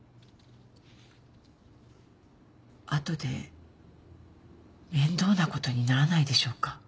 後で面倒なことにならないでしょうか？